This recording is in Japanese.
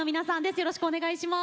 よろしくお願いします。